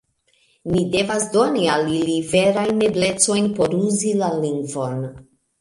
Ni devas doni al ili verajn eblecojn por uzi la lingvon.